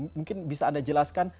mungkin bisa anda jelaskan